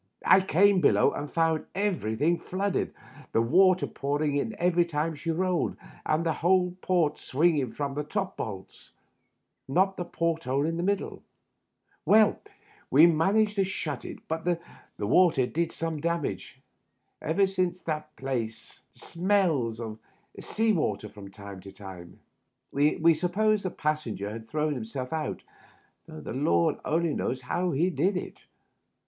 I came below and found everything flooded, the water pouring in every time she rolled, and the whole port swinging from the top bolts — not the port hole in the middle. Well, we managed to shut it, but the water did some damage. Ever since that Digitized by VjOOQIC THE UPPER BERTH. 47 the place Binells of sea water from time to time. We supposed the passenger had thrown himself otLt, tliough the Lord only knows how he did it.